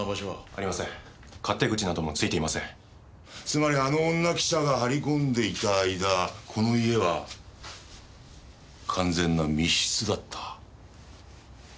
つまりあの女記者が張り込んでいた間この家は完全な密室だった。